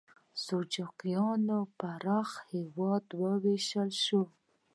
د سلجوقیانو پراخ هېواد وویشل شو.